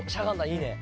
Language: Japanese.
いいね！」